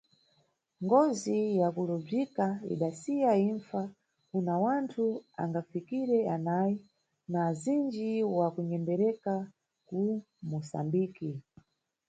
Ngozi ya kulobzwika idasiya impfa kuna wanthu angafikire anayi na azindji wa kunyembereka ku Musambiki.